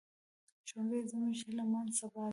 ښوونځی زموږ هيلهمن سبا دی